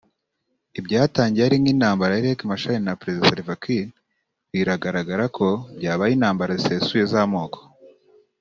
Ibyatangiye ari nk’intambara ya Riek Machar na Perezida Salva Kiir biragaragara ko byabaye intambara zisesuye z’amoko